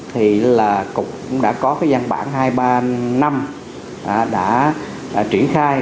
thì là cục cũng đã có cái gian bản hai ba năm đã triển khai